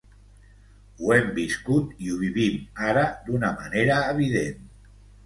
Ho hem viscut i ho vivim ara d’una manera evident.